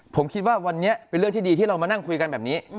ผมคิดว่าวันนี้เป็นเรื่องที่ดีที่เรามานั่งคุยกันแบบนี้